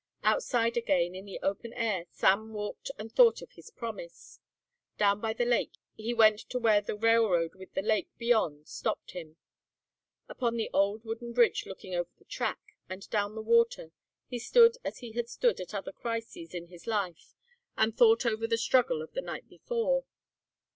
Outside again in the open air Sam walked and thought of his promise. Down by the lake he went to where the railroad with the lake beyond stopped him. Upon the old wooden bridge looking over the track and down to the water he stood as he had stood at other crises in his life and thought over the struggle of the night before.